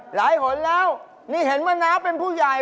หนแล้วนี่เห็นว่าน้าเป็นผู้ใหญ่